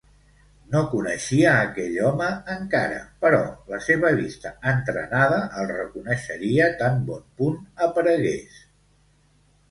No coneixia aquell home encara, però la seva vista entrenada el reconeixeria tan bon punt aparegués.